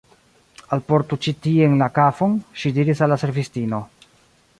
Alportu ĉi tien la kafon, ŝi diris al la servistino.